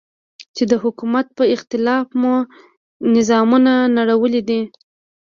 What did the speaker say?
چې د حکومت په اختلاف مو نظامونه نړولي دي.